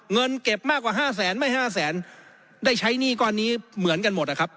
เงินเก็บมากกว่าห้าแสนไม่ห้าแสนได้ใช้หนี้ก้อนนี้เหมือนกันหมดนะครับ